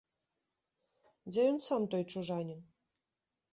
Дзе ён сам, той чужанін?